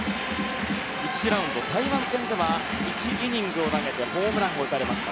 １次ラウンド、台湾戦では１イニングを投げてホームランを打たれました。